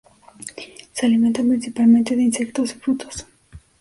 Se alimentan principalmente de insectos y frutos.